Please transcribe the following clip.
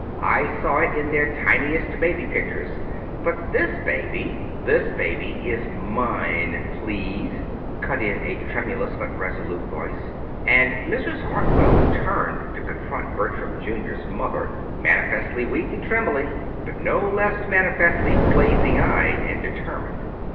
I saw it in their tiniest baby pictures. But this baby " "This baby is mine, please," cut in a tremulous, but resolute voice; and Mrs. Hartwell turned to confront Bertram, Jr.'s mother, manifestly weak and trembling, but no less manifestly blazing eyed and determined.